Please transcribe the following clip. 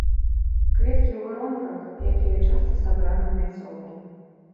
Кветкі ў гронках, якія часта сабраны ў мяцёлкі.